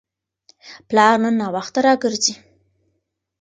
پلار نن ناوخته راګرځي.